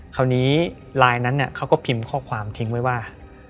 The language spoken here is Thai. คราวนี้ไลน์นั้นเขาก็พิมพ์ข้อความทิ้งไว้ว่า